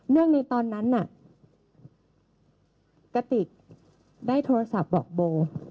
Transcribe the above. ในตอนนั้นน่ะกระติกได้โทรศัพท์บอกโบ